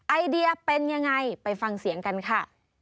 ไอเดียเป็นยังไงไปฟังเสียงกันค่ะ